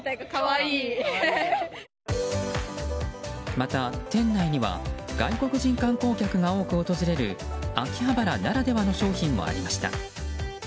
また、店内には外国人観光客が多く訪れる秋葉原ならではの商品もありました。